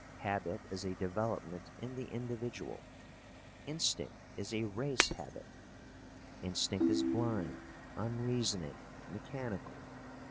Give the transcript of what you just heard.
Habit is a development in the individual. Instinct is a race habit. Instinct is blind, unreasoning, mechanical.